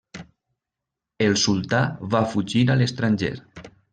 El sultà va fugir a l'estranger.